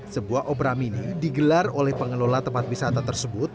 sebuah opera mini digelar oleh pengelola tempat wisata tersebut